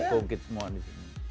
kongkit semua di sini